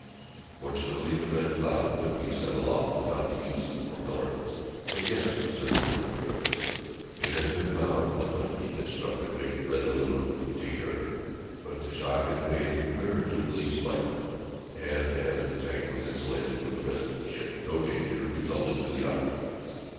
Fortunately the Red Cloud could be sent aloft without the use of the propellers, for the gas would serve to lift her. It had been found that lightning had struck the big, red aluminum container, but the shock had been a comparatively slight one, and, as the tank was insulated from the rest of the ship no danger resulted to the occupants.